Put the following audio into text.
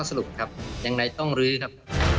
ข้อสรุปครับอย่างไรต้องรื้อครับ